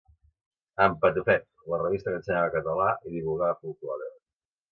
En Patufet, la revista que ensenyava català i divulgava folklore.